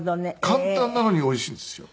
簡単なのにおいしいんですよ。